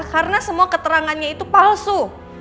karena semua keterangannya itu palsu